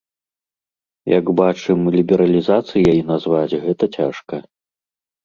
Як бачым, лібералізацыяй назваць гэта цяжка.